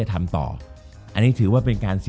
จบการโรงแรมจบการโรงแรม